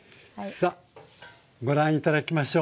さあご覧頂きましょう。